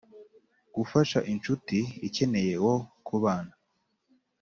Gufasha incuti ikeneye uwo kubana